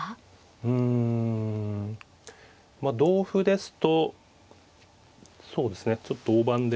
うんまあ同歩ですとそうですねちょっと大盤で。